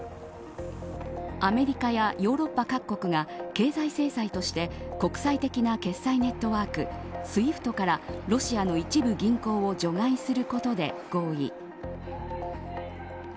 アメリカやヨーロッパ各国が経済制裁として国際的な決済ネットワークＳＷＩＦＴからロシアの一部銀行を除外することで合意。